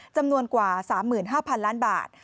จำนวนกว่า๓๕๐๐๐ล้านบาท